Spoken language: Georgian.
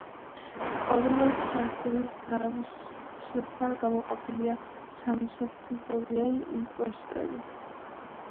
ორივე სართულის თაღების ქუსლებთან გამოყოფილია სამსაფეხურიანი იმპოსტები.